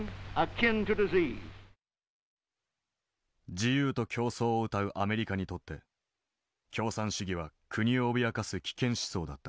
自由と競争をうたうアメリカにとって共産主義は国を脅かす危険思想だった。